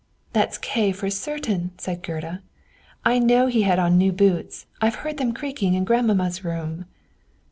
"That's Kay, for certain," said Gerda. "I know he had on new boots; I have heard them creaking in grandmamma's room."